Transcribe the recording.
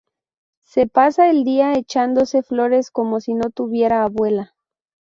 Se pasa el día echándose flores como si no tuviera abuela